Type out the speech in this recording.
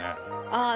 ああ